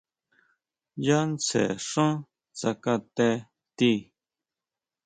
Yá tsjen xá tsakate tii.